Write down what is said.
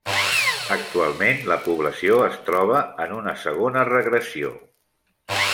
Actualment, la població es troba en una segona regressió.